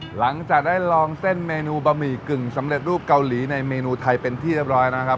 หลังจากได้ลองเส้นเมนูบะหมี่กึ่งสำเร็จรูปเกาหลีในเมนูไทยเป็นที่เรียบร้อยนะครับ